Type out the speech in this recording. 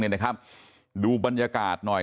พี่ท่ากับสุยานดอนเมืองเนี่ยนะครับดูบรรยากาศหน่อย